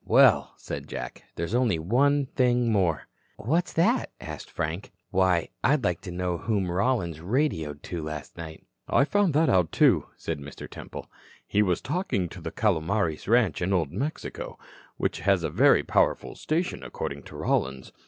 "Well," said Jack, "there's only one thing more." "What is that?" asked Frank. "Why, I'd like to know whom Rollins radioed to last night." "I found that out, too," said Mr. Temple. "He was talking to the Calomares ranch in Old Mexico, which has a very powerful station, according to Rollins.